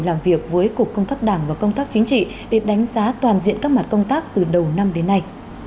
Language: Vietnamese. làm việc với cục công tác đảng và công tác chính trị để đánh giá toàn diện các mặt công tác từ đầu năm đến nay